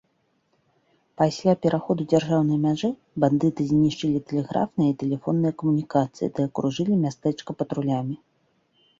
Пасля пераходу дзяржаўнай мяжы, бандыты знішчылі тэлеграфныя і тэлефонныя камунікацыі ды акружылі мястэчка патрулямі.